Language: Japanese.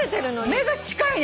目が近いね。